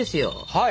はい！